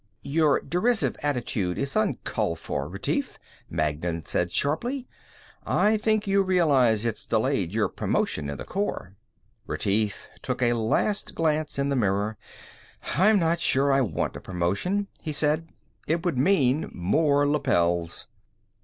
"Your derisive attitude is uncalled for, Retief," Magnan said sharply. "I think you realize it's delayed your promotion in the Corps." Retief took a last glance in the mirror. "I'm not sure I want a promotion," he said. "It would mean more lapels."